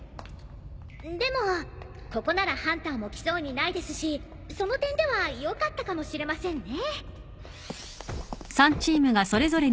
でもここならハンターも来そうにないですしその点ではよかったかもしれませんね。